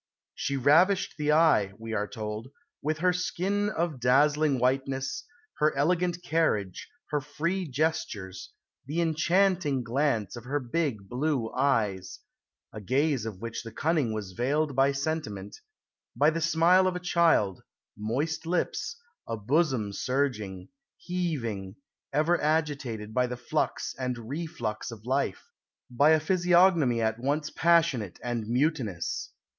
"She ravished the eye," we are told, "with her skin of dazzling whiteness, her elegant carriage, her free gestures, the enchanting glance of her big blue eyes a gaze of which the cunning was veiled by sentiment by the smile of a child, moist lips, a bosom surging, heaving, ever agitated by the flux and reflux of life, by a physiognomy at once passionate and mutinous."